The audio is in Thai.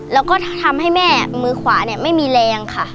แล้วก็ทำให้แม่มือขวาเนี่ยไม่มีแรงค่ะ